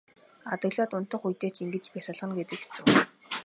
Адаглаад унтах үедээ ч ингэж бясалгана гэдэг хэцүү.